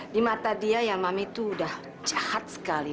di mata dia ya mami tuh udah jahat sekali